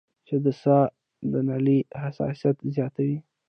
چې د ساه د نالۍ حساسيت زياتوي